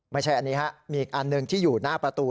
ไม่ใช่อันนี้ฮะมีอีกอันหนึ่งที่อยู่หน้าประตู